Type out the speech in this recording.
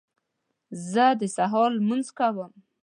زه د سهار لمونځ کوم